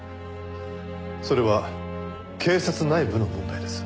それは警察内部の問題です。